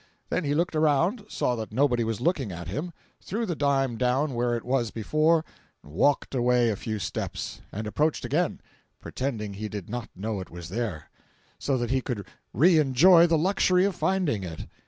Then he looked around—saw that nobody was looking at him—threw the dime down where it was before—walked away a few steps, and approached again, pretending he did not know it was there, so that he could re enjoy the luxury of finding it.